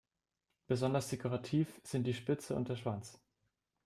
Besonders dekorativ sind die Spitze und der Schwanz.